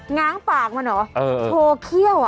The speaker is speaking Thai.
ง้างปากมันเหรอโชว์เขี้ยว